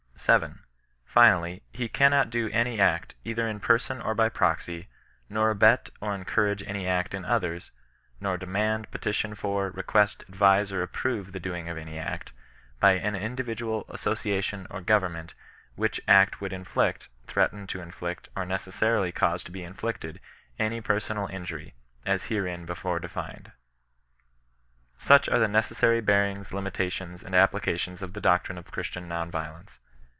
7. Finally, he cannot do any act, either in person or by proxy ; nor abet or encourage any act in others ; nor demand, petition for, request, advise or approve the doing of any act, by an individual, association, or government, which act would inflict, threaten to inflict, or necessarily cause to he inflicted any personal injury, as herein be fore defined. Such are the necessary bearings, limitations, and ap plications of the doctrine of Christian non resistance.